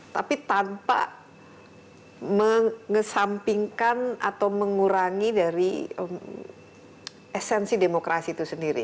tapi tanpa mengesampingkan atau mengurangi dari esensi demokrasi itu sendiri